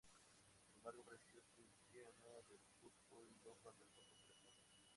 Sin embargo, apareció Cienciano del Cusco y lo contrató por tres años.